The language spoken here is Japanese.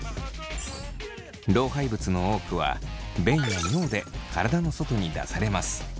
老廃物の多くは便や尿で体の外に出されます。